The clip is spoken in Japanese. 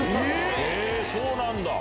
へぇそうなんだ。